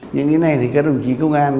những cái này thì các đồng chí công an